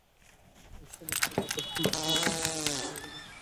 ঈর্ষার উত্তাপে তাহার ইচ্ছার আগ্রহ চতুর্গুণ বাড়িয়া উঠিল।